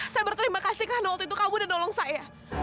saya berterima kasih kan waktu itu kamu udah nolong saya